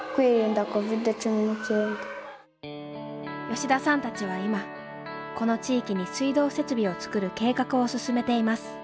吉田さんたちは今この地域に水道設備を作る計画を進めています。